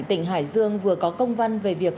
tỉnh hải dương vừa có công văn về việc